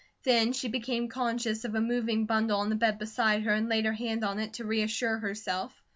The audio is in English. Then she became conscious of a moving bundle on the bed beside her, and laid her hand on it to reassure herself.